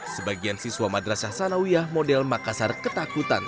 sebagian siswa madrasah sanawiah model makassar ketakutan